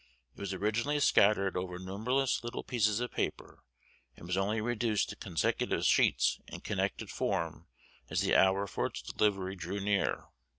It was originally scattered over numberless little pieces of paper, and was only reduced to consecutive sheets and connected form as the hour for its delivery drew near.